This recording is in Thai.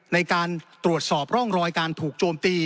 ในการตรวจสอบร่องรอยการถูกโจมตี